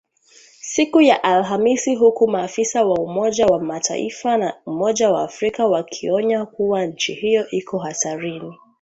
Siku ya AlhamisI huku maafisa wa Umoja wa Mataifa na Umoja wa Afrika wakionya kuwa nchi hiyo iko hatarini.